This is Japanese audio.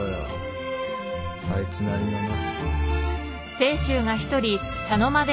あいつなりのな。